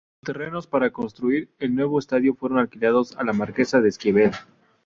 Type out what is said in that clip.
Los terrenos para construir el nuevo estadio fueron alquilados a la marquesa de Esquivel.